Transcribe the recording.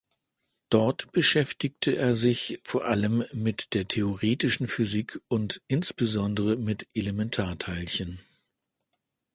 Dort beschäftigte er sich vor allem mit der theoretischen Physik und insbesondere mit Elementarteilchen.